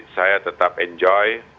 saya tetap enjoy